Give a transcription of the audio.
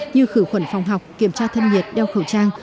như khử khuẩn phòng học kiểm tra thân nhiệt đeo khẩu trang